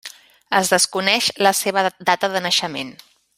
Es desconeix la seva data de naixement.